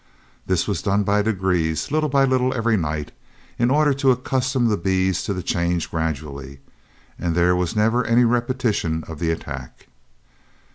This was done by degrees, little by little every night, in order to accustom the bees to the change gradually, and there was never any repetition of the attack.